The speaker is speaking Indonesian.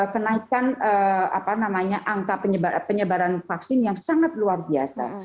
kenaikan angka penyebaran vaksin yang sangat luar biasa